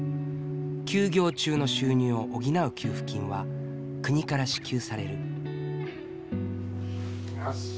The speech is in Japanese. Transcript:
休業中の収入を補う給付金は国から支給される。